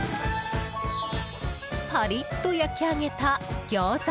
パリッと焼き上げたギョーザ。